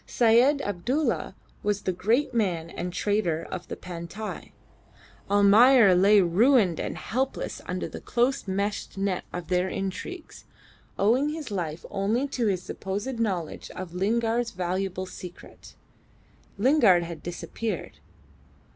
Syed Abdulla was the great man and trader of the Pantai. Almayer lay ruined and helpless under the close meshed net of their intrigues, owing his life only to his supposed knowledge of Lingard's valuable secret. Lingard had disappeared.